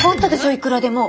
いくらでも。